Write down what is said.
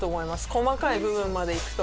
細かい部分までいくと。